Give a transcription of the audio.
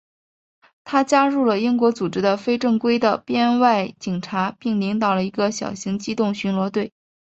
他加入了英国组织的非正规的编外警察并领导了一个小型机动巡逻队。